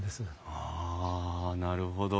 あなるほど。